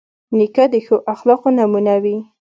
نیکه د ښو اخلاقو نمونه وي.